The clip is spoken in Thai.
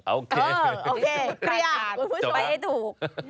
อ่าโอเคโอเคครับคุณผู้ชมไปให้ดู